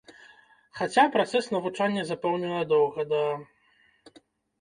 Хаця, працэс навучання запомню надоўга, да.